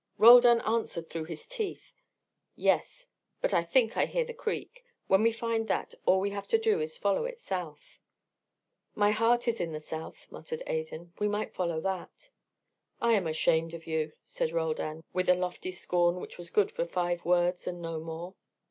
Roldan answered through his teeth: "Yes, but I think I hear the creek. When we find that, all we have to do is to follow it south." "My heart is in the South," muttered Adan. "We might follow that." "I am ashamed of you," said Roldan, with a lofty scorn which was good for five words and no more.